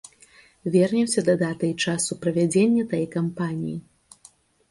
Вернемся да даты і часу правядзення тае кампаніі.